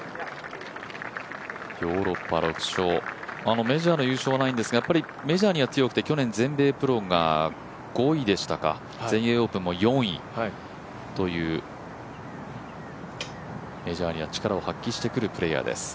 ヨーロッパ６勝、メジャーの優勝はないんですが、やっぱりメジャーには強くて去年全米プロが５位でしたか全英オープンも４位というメジャーには力を発揮してくるというプレーヤーです。